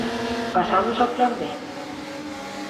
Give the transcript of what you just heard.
Pasamos ao plan B?